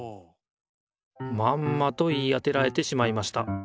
まんまと言い当てられてしまいました。